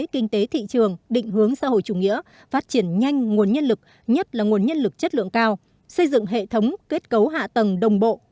kinh tế thị trường định hướng xã hội chủ nghĩa phát triển nhanh nguồn nhân lực nhất là nguồn nhân lực chất lượng cao xây dựng hệ thống kết cấu hạ tầng đồng bộ